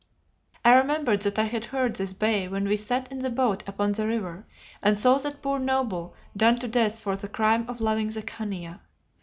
I remembered that I had heard this bay when we sat in the boat upon the river and saw that poor noble done to death for the crime of loving the Khania.